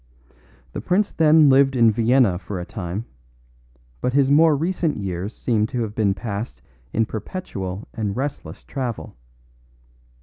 The prince then lived in Vienna for a time, but his more recent years seemed to have been passed in perpetual and restless travel.